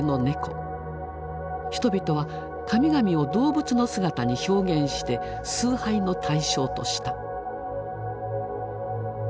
人々は神々を動物の姿に表現して崇拝の対象とした。